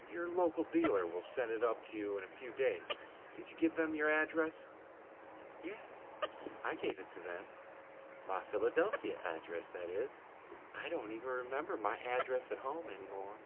"Your local dealer will send it to you in a few days. Did you give them your address?" "Yes, I gave it to them. My Philadelphia address, that is. I don't even remember my address at home any more."